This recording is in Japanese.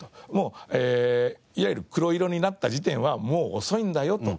いわゆる黒色になった時点はもう遅いんだよと。